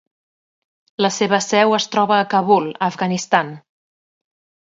La seva seu es troba a Kabul, Afganistan.